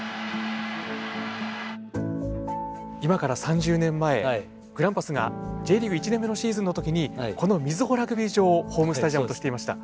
今から３０年前グランパスがＪリーグ１年目のシーズンの時にこの瑞穂ラグビー場をホームスタジアムとしていました。